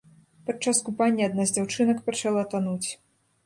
Падчас купання адна з дзяўчынак пачала тануць.